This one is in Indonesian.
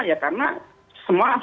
ya karena semua sama